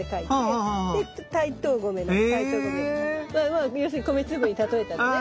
まあ要するに米粒に例えたのね。